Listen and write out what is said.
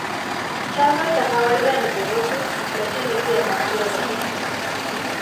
Chanzo cha kawaida ni virusi, lakini pia bakteria.